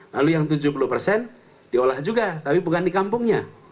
lalu yang tujuh puluh persen diolah juga tapi bukan di kampungnya